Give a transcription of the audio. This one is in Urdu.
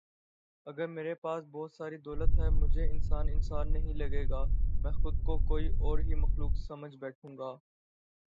اگر میرے پاس بہت ساری دولت ہے مجھے انسان انسان نہیں لگے گا۔۔ می خود کو کوئی اور ہی مخلوق سمجھ بیٹھوں گا